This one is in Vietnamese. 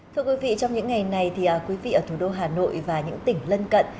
thưa quý vị trong những ngày này thì quý vị ở thủ đô hà nội và những tỉnh lân cận